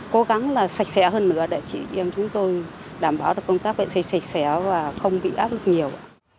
cố gắng là sạch sẽ hơn nữa để chị em chúng tôi đảm bảo được công tác vệ sinh sạch sẽ và không bị áp lực nhiều